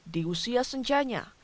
di usia senjanya